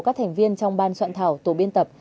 các thành viên trong ban soạn thảo tổ biên tập